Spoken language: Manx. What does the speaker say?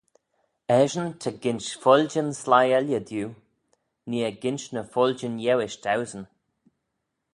Eshyn ta ginsh foilljyn sleih elley diu, nee eh ginsh ny foilljyn euish dauesyn.